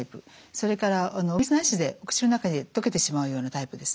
それからお水なしでお口の中で溶けてしまうようなタイプですね。